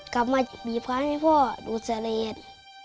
กลับมาบีบพร้อมให้พ่อดูเสร็จ